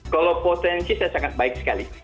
kalau potensi saya sangat baik sekali